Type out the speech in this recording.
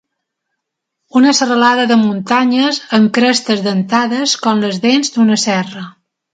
Una serralada de muntanyes amb crestes dentades com les dents d'una serra.